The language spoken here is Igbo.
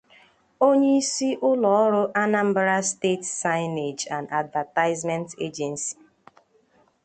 onyeisi ụlọọrụ 'Anambra State Signage and Advertisement Agency'